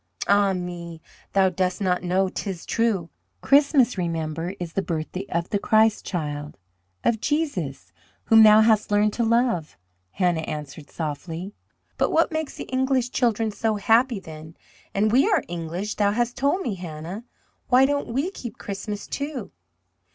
"Ah, me! Thou dost not know, 'tis true. Christmas, Remember, is the birthday of the Christ Child, of Jesus, whom thou hast learned to love," Hannah answered softly. "But what makes the English children so happy then? And we are English, thou hast told me, Hannah. Why don't we keep Christmas, too?"